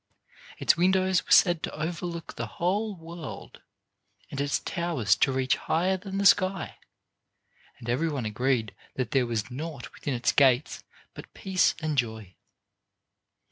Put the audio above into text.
Its windows were said to overlook the whole world, and its towers to reach higher than the sky. And every one agreed that there was naught within its gates but peace and joy.